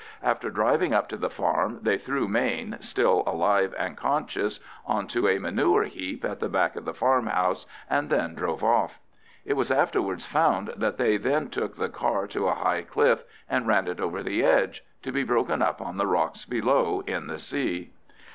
After driving up to the farm they threw Mayne—still alive and conscious—on to a manure heap at the back of the farmhouse, and then drove off. It was afterwards found that they then took the car to a high cliff and ran it over the edge, to be broken up on the rocks below in the sea.